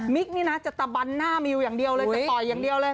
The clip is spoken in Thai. นี่นะจะตะบันหน้ามิวอย่างเดียวเลยจะต่อยอย่างเดียวเลย